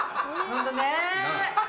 本当ね。